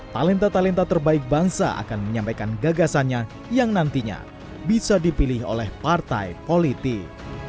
talenta talenta terbaik bangsa akan menyampaikan gagasannya yang nantinya bisa dipilih oleh partai politik